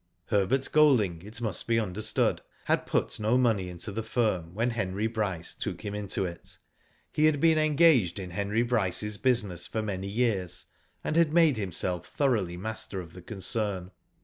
Herbert Golding, it must be understood, had put no money into the firm when Henry Bryce took him into it. He had been engaged in Henry Bryce's business Q Digitized by V3OOQ IC 226 « lVI/0 DID ITf for many years, and had made himself thoroughly master *of the concern.